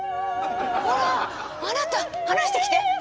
ほらあなた話してきて。